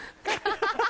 ハハハ！